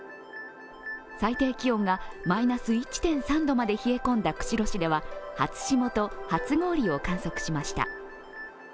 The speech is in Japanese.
最低気温がマイナス１．３度まで冷え込んだ釧路市では初霜と初氷を観測しました。